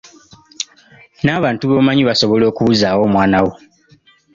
N'abantu b'omanyi basobola okubuzaawo omwana wo